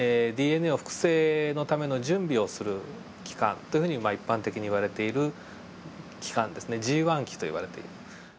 ＤＮＡを複製のための準備する期間というふうに一般的に言われている期間ですねＧ期といわれている。